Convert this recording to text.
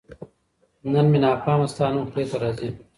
نو مي ناپامه ستا نوم خولې ته راځــــــــي